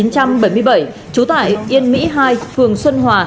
trú tại yên mỹ hai phường xuân hòa